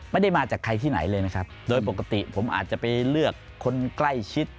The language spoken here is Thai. ไม่ได้มาจากใครที่ไหนเลยนะครับโดยปกติผมอาจจะไปเลือกคนใกล้ชิด